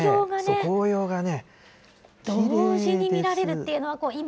紅葉がね